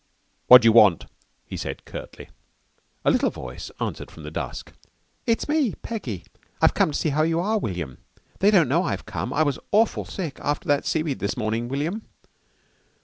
"What d'you want?" he said curtly. A little voice answered from the dusk. "It's me Peggy. I've come to see how you are, William. They don't know I've come. I was awful sick after that seaweed this morning, William."